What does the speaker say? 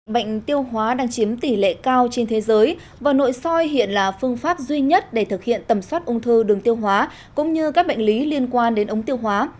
bệnh tiêu hóa đang chiếm tỷ lệ cao trên thế giới và nội soi hiện là phương pháp duy nhất để thực hiện tầm soát ung thư đường tiêu hóa cũng như các bệnh lý liên quan đến ống tiêu hóa